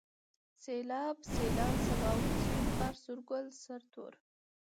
سيلاب ، سيلان ، سباوون ، سپين غر ، سورگل ، سرتور